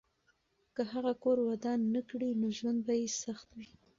که هغه کور ودان نه کړي، نو ژوند به یې سخت وي.